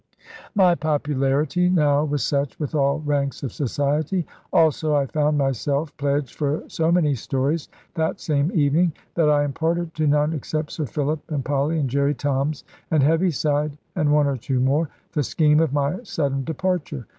My popularity now was such, with all ranks of society, also I found myself pledged for so many stories that same evening, that I imparted to none except Sir Philip, and Polly, and Jerry Toms, and Heaviside, and one or two more, the scheme of my sudden departure.